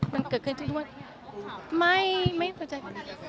มันเกิดขึ้นทุกที่ว่าไม่ไม่เข้าใจ